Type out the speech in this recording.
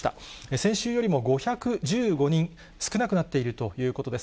先週よりも５１５人少なくなっているということです。